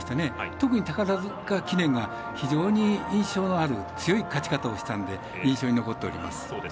特に宝塚記念は非常に印象のある強い勝ち方をしたんで印象に残っております。